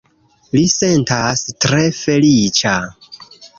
Li sentas tre feliĉa